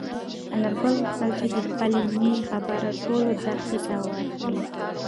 انارګل غوښتل چې د خپلې مېنې خبر ټولې دښتې ته ورکړي.